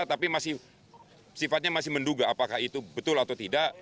tapi masih sifatnya masih menduga apakah itu betul atau tidak